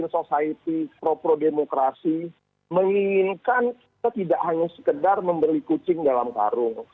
dan sosial pro pro demokrasi menginginkan kita tidak hanya sekadar membeli kucing dalam karung